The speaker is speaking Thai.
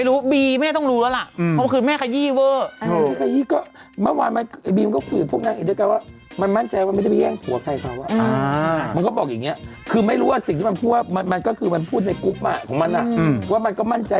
แล้วก็เวลาเขามีแบ่งทีมทีมนี้เขาติดกับชายหาดใช่ไหม